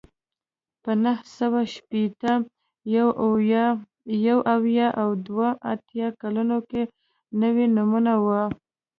په نهه سوه شپېته، یو اویا او دوه اتیا کلونو کې نوي نومونه وو